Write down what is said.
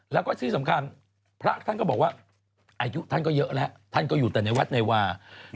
แล้วก็ที่สำคัญพระท่านก็บอกว่าอายุท่านก็เยอะแล้วท่านก็อยู่แต่ในวัดในวา